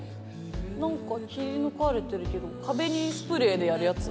何か切り抜かれてるけど壁にスプレーでやるやつ？